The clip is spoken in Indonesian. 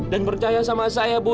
dan percaya sama saya ibu